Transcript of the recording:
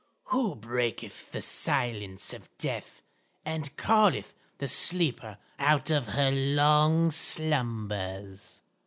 "Who breaketh the silence of death, and calleth the sleeper out of her long slumbers?